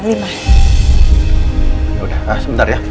ya udah sebentar ya